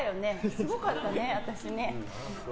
すごかったね、私ね。